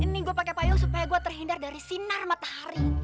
ini gue pakai payung supaya gue terhindar dari sinar matahari